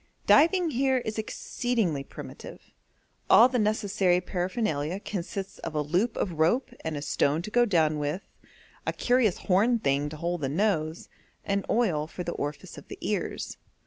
Diving here is exceedingly primitive; all the necessary paraphernalia consists of a loop of rope and a stone to go down with, a curious horn thing to hold the nose, and oil for the orifice of the ears.